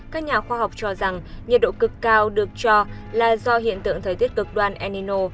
các nhà khoa học cho rằng nhiệt độ cực cao được cho là do hiện tượng thời tiết cực đoan enino